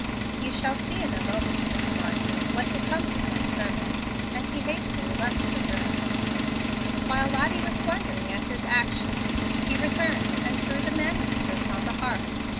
"You shall see in a moment, Miss Marsden what becomes of my sermon," and he hastily left the room. While Lottie was wondering at his action, he returned and threw the manuscript on the hearth.